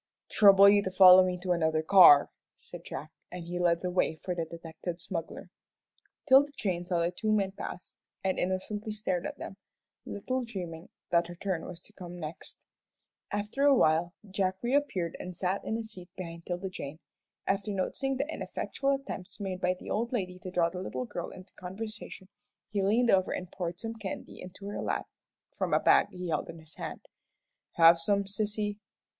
"Trouble you to follow me to another car," said Jack, and he led the way for the detected smuggler. 'Tilda Jane saw the two men pass, and innocently stared at them, little dreaming that her turn was to come next. After awhile Jack reappeared and sat down in a seat behind 'Tilda Jane. After noticing the ineffectual attempts made by the old lady to draw the little girl into conversation, he leaned over and poured some candy into her lap from a bag he held in his hand. "Have some, sissy?"